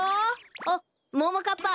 あっももかっぱ！